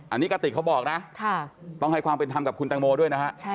อันนี้กระติกเขาบอกนะต้องให้ความเป็นธรรมกับคุณแตงโมด้วยนะฮะ